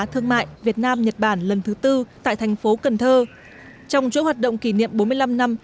thương mại việt nam nhật bản lần thứ tư tại thành phố cần thơ trong chỗ hoạt động kỷ niệm bốn mươi năm năm